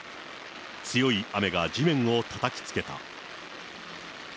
強い雨が地面をたたきつけた。